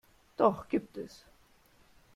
Doch gibt es.